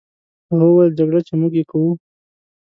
هغه وویل: جګړه، چې موږ یې کوو.